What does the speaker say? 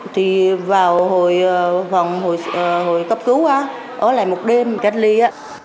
thì vào hồi cấp cứu ở lại một đêm gắn ly